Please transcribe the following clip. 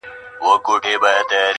د زړه له درده درته وايمه دا.